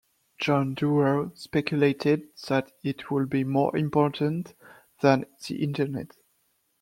John Doerr speculated that it would be more important than the Internet.